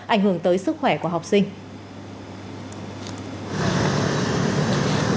ảnh hưởng tới sức khỏe của học sinh